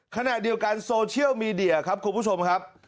ขณะเดียวกันโซเชียลมีเดียครับคุณผู้ชมครับ